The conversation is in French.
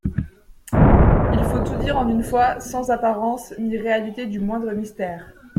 Il faut tout dire en une fois, sans apparence ni réalité du moindre mystère.